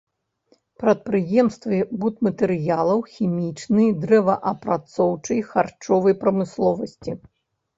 Прадпрыемствы будматэрыялаў, хімічнай, дрэваапрацоўчай, харчовай прамысловасці.